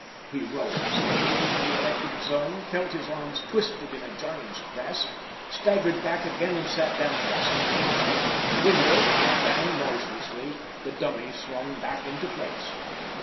He rose, came within the electric zone, felt his arms twisted in a giant's grasp, staggered back again and sat down gasping. The window went down noiselessly, the dummy swung back into place.